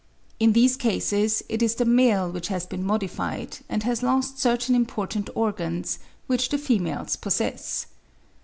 In these cases it is the male which has been modified, and has lost certain important organs, which the females possess.